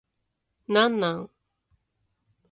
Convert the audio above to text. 何なん